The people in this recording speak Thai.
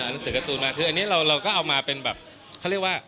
อันนงี้เราก็มาเป็นแบบเขาเรียกว่า